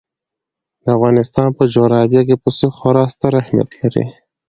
د افغانستان په جغرافیه کې پسه خورا ستر اهمیت لري.